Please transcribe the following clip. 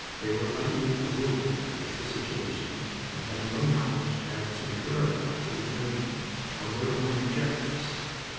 They were utterly bewildered with the situation, and had no knowledge as to the where abouts of the enemy or their own objectives.